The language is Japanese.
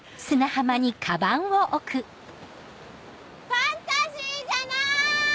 ファンタジーじゃない！